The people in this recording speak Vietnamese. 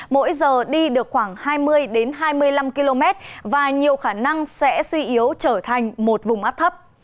mỗi giờ đi được khoảng hai mươi hai mươi năm km và nhiều khả năng sẽ suy yếu trở thành một vùng áp thấp